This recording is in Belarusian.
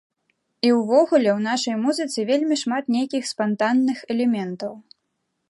І ўвогуле, у нашай музыцы вельмі шмат нейкіх спантанных элементаў.